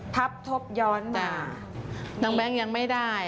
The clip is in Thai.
พับทบย้อนมานะทีสี่เปลี่ยนน้องแบ้งยังไม่ได้